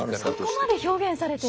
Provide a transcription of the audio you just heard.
そこまで表現されている。